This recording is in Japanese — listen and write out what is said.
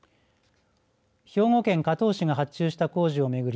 兵庫県加東市が発注した工事を巡り